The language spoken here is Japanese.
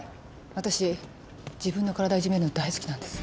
私自分の体をいじめるの大好きなんです。